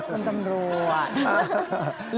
คุณตำรวจ